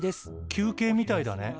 休憩みたいだね。